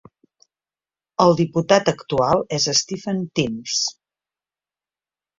El diputat actual és Stephen Timms.